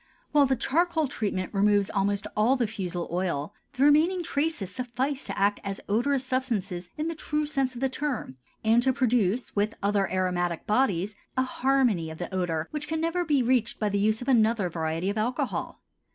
While the charcoal treatment removes almost all the fusel oil, the remaining traces suffice to act as odorous substances in the true sense of the term and to produce with other aromatic bodies a harmony of the odor which can never be reached by the use of another variety of alcohol.